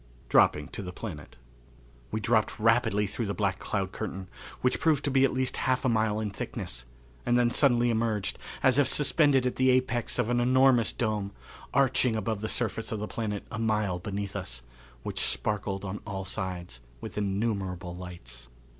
Dropping to the Planet. We dropped rapidly through the black cloud curtain, which proved to be at least half a mile in thickness, and then suddenly emerged, as if suspended at the apex of an enormous dome, arching above the surface of the planet a mile beneath us, which sparkled on all sides with innumerable lights.